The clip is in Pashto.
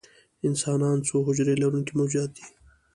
انسانان څو حجرې لرونکي موجودات دي